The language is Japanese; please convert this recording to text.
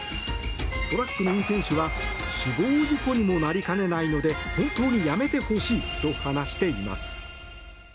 トラックの運転手は死亡事故にもなりかねないので本当にやめてほしいと話しています。